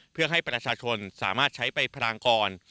เพื่อให้ประชาชนสามารถใช้ไปพรางกร